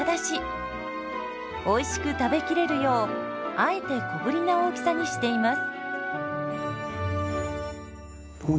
おいしく食べきれるようあえて小ぶりな大きさにしています。